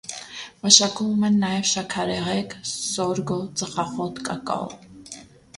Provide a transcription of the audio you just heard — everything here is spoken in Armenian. Մշակում են նաև շաքարեղեգ, սորգո, ծխախոտ, կակաո։